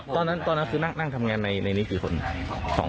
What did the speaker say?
ตอนนั้นตอนนั้นคือนั่งทำงานในนี้กี่คน